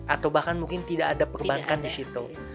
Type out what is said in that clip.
atau bahkan mungkin tidak ada perbankan di situ